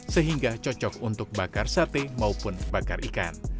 sehingga cocok untuk bakar sate maupun bakar ikan